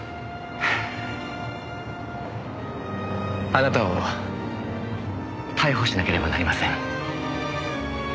あなたを逮捕しなければなりません。